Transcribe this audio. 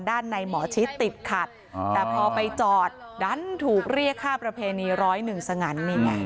ด้านในหมอชิตติดขัดแต่พอไปจอดดันถูกเรียกค่าประเพณี๑๐๑สงัน